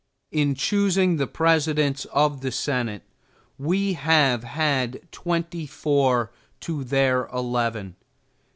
In choosing the presidents of the Senate, we have had twenty four to their eleven.